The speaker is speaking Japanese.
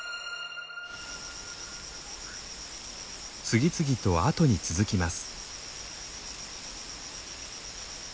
次々と後に続きます。